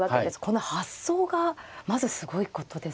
この発想がまずすごいことですよね。